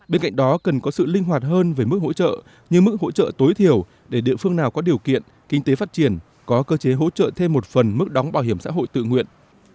bên cạnh đó cần có sự linh hoạt hơn về mức hỗ trợ như mức hỗ trợ tối thiểu để địa phương nào có điều kiện kinh tế phát triển có cơ chế hỗ trợ thêm một phần mức đóng bảo hiểm xã hội tự nguyện